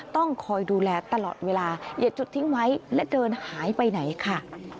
ต้องคอยดูแลตลอดเวลาอย่าจุดทิ้งไว้และเดินหายไปไหนค่ะ